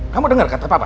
kamu dengar kata papa